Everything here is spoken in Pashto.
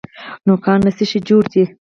نوکان له څه شي جوړ دي؟